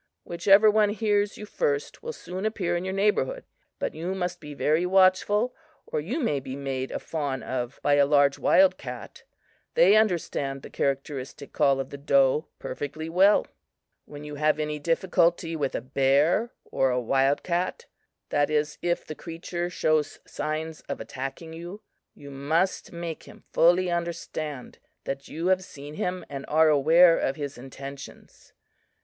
"Whichever one hears you first will soon appear in your neighborhood. But you must be very watchful, or you may be made a fawn of by a large wild cat. They understand the characteristic call of the doe perfectly well. "When you have any difficulty with a bear or a wild cat that is, if the creature shows signs of attacking you you must make him fully understand that you have seen him and are aware of his intentions.